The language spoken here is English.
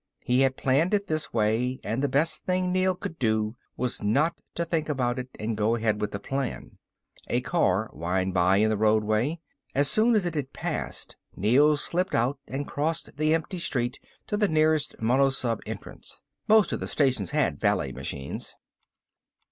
He had planned it this way and the best thing Neel could do was not to think about it and go ahead with the plan. A car whined by in the roadway. As soon as it had passed Neel slipped out and crossed the empty street to the nearest monosub entrance. Most of the stations had valet machines.